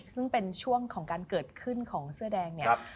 ซึ่งเป็นช่วงของการเกิดขึ้นของเสื้อแดงเนี่ย